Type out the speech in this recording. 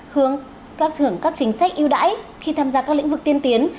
hướng các trưởng các chính sách ưu đãi khi tham gia các lĩnh vực tiên tiến